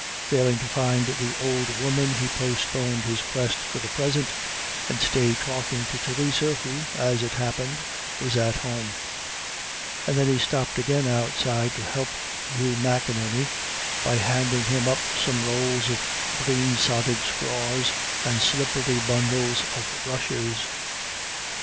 Failing to find the old woman, he postponed his quest for the present and stayed talking to Theresa, who, as it happened, was at home; and then he stopped again outside to help Hugh McInerney by handing him up some rolls of green sodded scraws and slippery bundles of rushes.